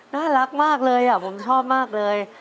น่ารักมากเลยผมชอบมากเลย